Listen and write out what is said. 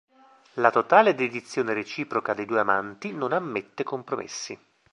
La totale dedizione reciproca dei due amanti non ammette compromessi.